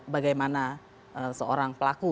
bagaimana seorang pelaku